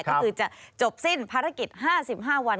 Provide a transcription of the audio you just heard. ก็คือจะจบสิ้นภารกิจ๕๕วัน